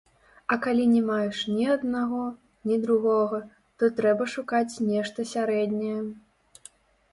А калі не маеш ні аднаго, ні другога, то трэба шукаць нешта сярэдняе.